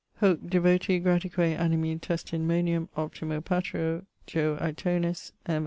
Hoc devoti gratique animi testimonium optimo patruo, Jo. Aitonus, M.